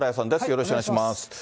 よろしくお願いします。